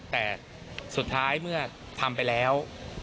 แต่สุดท้ายเมื่อทำไปแล้ว